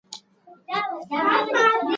د شاه محمود هوتک شخصیت په تاریخ کې روښانه دی.